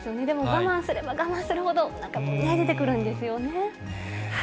でも我慢すれば我慢するほど、出てくるんですよね。